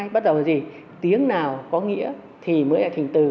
bắt đầu là gì tiếng nào có nghĩa thì mới là thỉnh từ